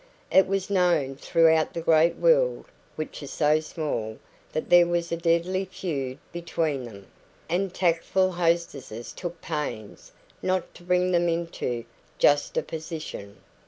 It was known throughout the great world, which is so small, that there was a deadly feud between them; and tactful hostesses took pains not to bring them into juxtaposition.